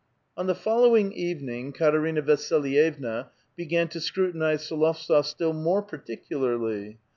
On the following evening Katerina Vasilyevna began to scrutinize S61ovtsof still more particularly.